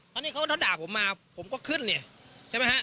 ตอนนี้เขาด่าผมมาผมก็ขึ้นเนี่ยใช่ไหมฮะ